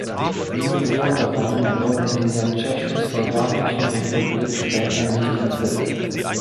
Diese Forderungen wurden in der Tschechoslowakischen Republik später nicht erfüllt.